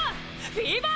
フィーバー！！